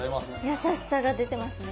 やさしさが出てますね。